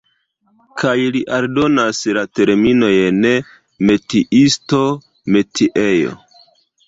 Kaj li aldonas la terminojn "metiisto", "metiejo".